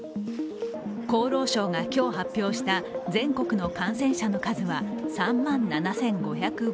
厚労省が今日発表した全国の感染者の数は３万７５５５人。